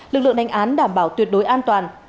lực lượng đánh án đảm bảo tuyệt đối an toàn